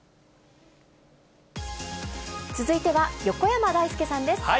続いては、横山だいすけさん